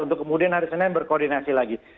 untuk kemudian hari senin berkoordinasi lagi